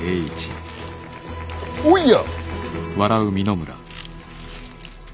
おや。